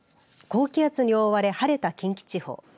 高気圧に覆われ晴れた近畿地方。